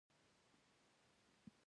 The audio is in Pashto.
کال څو فصلونه لري؟